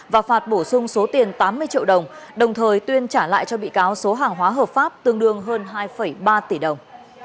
và phạt bổ sung số tiền tám mươi triệu đồng đồng thời tuyên trả lại cho bị cáo số hàng hóa hợp pháp tương đương hơn hai ba tỷ đồng